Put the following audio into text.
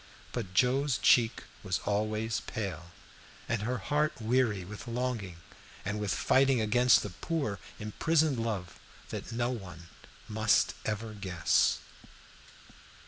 But Joe's cheek was always pale, and her heart weary with longing and with fighting against the poor imprisoned love that no one must ever guess.